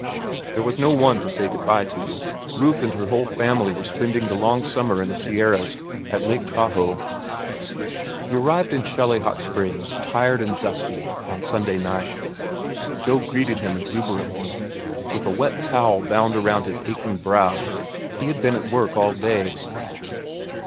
There was no one to say good by to. Ruth and her whole family were spending the long summer in the Sierras, at Lake Tahoe. He arrived at Shelly Hot Springs, tired and dusty, on Sunday night. Joe greeted him exuberantly. With a wet towel bound about his aching brow, he had been at work all day.